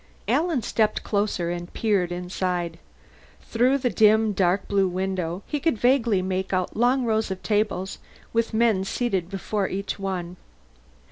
Alan stepped closer and peered inside. Through the dim dark blue window he could vaguely make out long rows of tables, with men seated before each one.